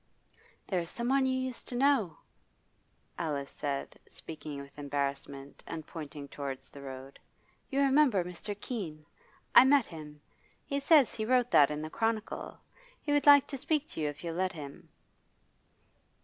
'There is someone you used to know,' Alice said, speaking with embarrassment, and pointing towards the road. 'You remember Mr. Keene? I met him. He says he wrote that in the "Chronicle." He would like to speak to you if you'll let him.